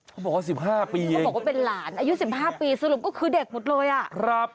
เขาบอกว่า๑๕ปีเองอายุ๑๕ปีสรุปก็คือเด็กหมดเลยอ่ะครับ